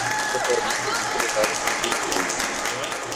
د ټوپک له نلۍ څخه د سوځېدلو باروتو بوی ته.